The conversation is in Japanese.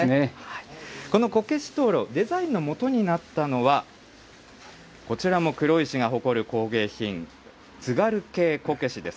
このこけし灯ろう、デザインのもとになったのは、こちらも黒石が誇る工芸品、津軽系こけしです。